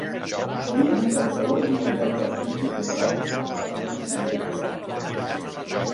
Sovint, el teló és un objecte artístic decorat amb passamaneria i brodats.